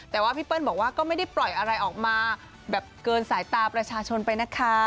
แต่ว่าพี่เปิ้ลบอกว่าก็ไม่ได้ปล่อยอะไรออกมาแบบเกินสายตาประชาชนไปนะคะ